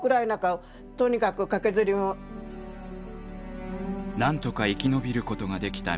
なんとか生き延びることができた三島さん。